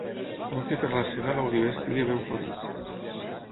Cal que per la sega l'oliver estigui ben florit.